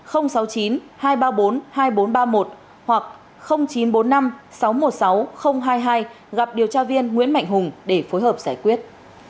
hoặc chín trăm bốn mươi năm sáu trăm một mươi sáu hai mươi hai gặp điều tra viên nguyễn mạnh hùng để phối hợp giải quyết